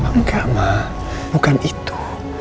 enggak ma bukan itu